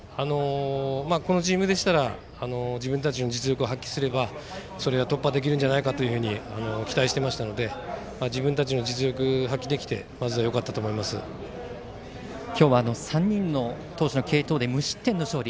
このチームでしたら自分たちの実力を発揮すれば突破できるんじゃないかと期待していましたので自分たちの実力を発揮できて今日は３人の投手の継投で無失点の勝利。